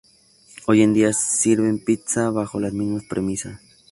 Hoy en día sirven pizza bajo las mismas premisas.